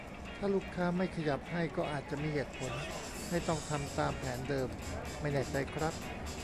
ถ้าลูกค้าไม่ขยับให้ ก็อาจจะมีเหตุผลให้ต้องทำตามแผนเดิม ? ไม่แน่ใจครับ